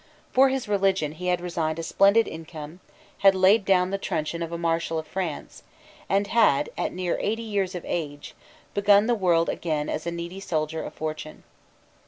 For his religion he had resigned a splendid income, had laid down the truncheon of a Marshal of France, and had, at near eighty years of age, begun the world again as a needy soldier of fortune.